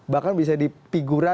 bahkan bisa dipigura